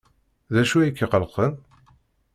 D acu ay k-iqellqen?